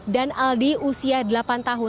dan aldi usia delapan tahun